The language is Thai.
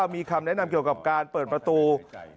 มีคำแนะนำเกี่ยวกับการเปิดประตู